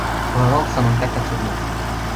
Vă rog să nu uitați acest lucru.